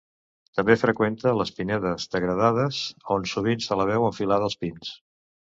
També freqüenta les pinedes degradades, on sovint se la veu enfilada als pins.